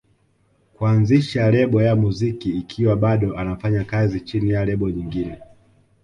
kuanzisha lebo ya muziki ikiwa bado anafanya kazi chini ya lebo nyingine